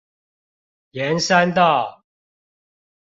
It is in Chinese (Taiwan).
沿山道